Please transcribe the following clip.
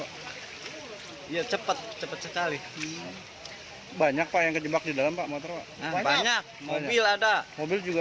cepet cepet sekali banyak pak yang kejebak di dalam pak motor banyak mobil ada mobil juga